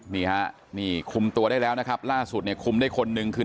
นี่ฮะนี่คุมตัวได้แล้วนะครับล่าสุดเนี่ยคุมได้คนนึงคือ